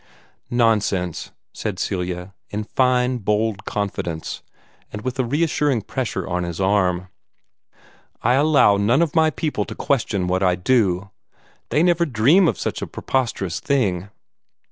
"Nonsense," said Celia, in fine, bold confidence, and with a reassuring pressure on his arm. "I allow none of my people to question what I do. They never dream of such a preposterous thing.